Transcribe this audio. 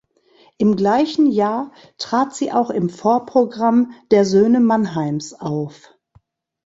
Im gleichen Jahr trat sie auch im Vorprogramm der Söhne Mannheims auf.